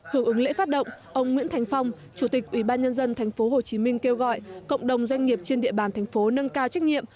hưởng ứng lễ phát động ông nguyễn thành phong chủ tịch ủy ban nhân dân tp hcm kêu gọi cộng đồng doanh nghiệp trên địa bàn thành phố nâng cao trách nhiệm